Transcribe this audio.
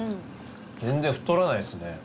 全然太らないですね。